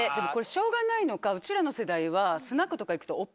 しょうがないのかうちらの世代はスナックとか行くと。